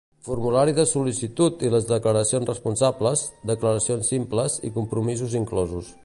Formulari de sol·licitud i les declaracions responsables, declaracions simples i compromisos inclosos.